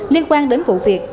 liên quan đến vụ việc